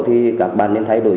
thì các bạn nên thay đổi